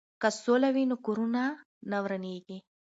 که سوله وي نو کورونه نه ورانیږي.